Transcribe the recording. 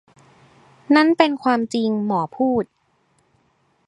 นั่นเป็นความจริงหมอพูด